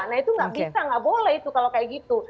nah itu nggak bisa nggak boleh itu kalau kayak gitu